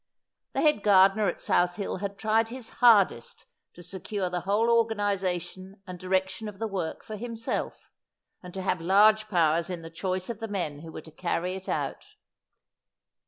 The head gardener at South Hill had tried his hardest to secure the whole organisation and direction of the work for himself, and to have large powers in the choice of the men who were to carry it out.